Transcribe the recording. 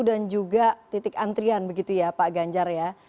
dan juga titik antrian begitu ya pak ganjar ya